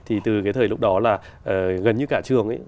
thì từ cái thời lúc đó là gần như cả trường ấy